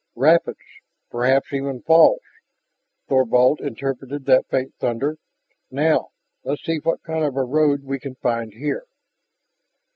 "Rapids ... perhaps even the falls," Thorvald interpreted that faint thunder. "Now, let's see what kind of a road we can find here."